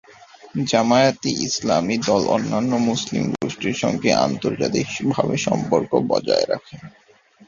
জামায়াত-ই-ইসলামী দল অন্যান্য মুসলিম গোষ্ঠীর সঙ্গে আন্তর্জাতিকভাবে সম্পর্ক বজায় রাখে।